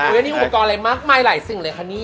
อุปกรณ์อะไรมากมายหลายสิ่งเลยค่ะเนี่ย